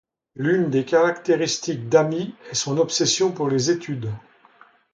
L’une des caractéristiques d’Ami est son obsession pour les études.